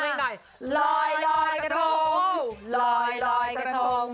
ลอยลอยกระทง